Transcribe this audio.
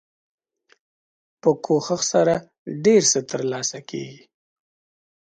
په کوښښ سره ډیر څه تر لاسه کیږي.